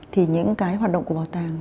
thì những cái hoạt động của bảo tàng